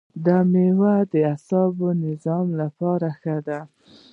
دا میوه د عصبي نظام لپاره ښه ده.